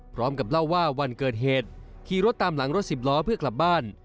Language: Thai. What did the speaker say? พร้อมกับเล่าว่าวันเกิดเหตุขี่รถตามหลังรถสิบล้อเพื่อกลับบ้าน